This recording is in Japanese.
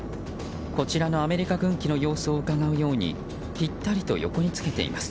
こちらのアメリカ軍機の様子をうかがうようにぴったりと横につけています。